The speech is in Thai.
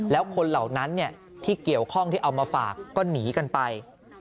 แล้วคนเหล่านั้นที่เกี่ยวข้องที่เอามาฝากก็หนีกันไป